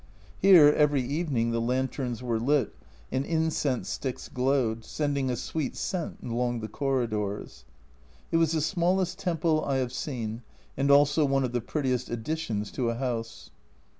Here every evening the lanterns were lit, and incense sticks glowed, sending a sweet scent along the corridors. It was the smallest temple I have seen, and also one of the prettiest additions to a house.